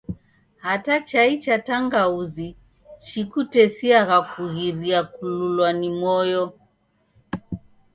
Hata chai cha tangauzi chikutesiagha kughiria kululwa ni moyo.